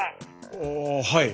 ああはい。